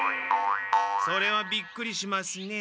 それはびっくりしますね。